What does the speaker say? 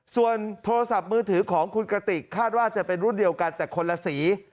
ส่วนโทรศัพท์มือถือของคุณกระติกคาดว่าจะเป็นรุ่นเดียวกันแต่คนละสี